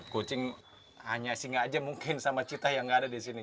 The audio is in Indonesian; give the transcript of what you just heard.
kucing hanya singa aja mungkin sama cita yang nggak ada di sini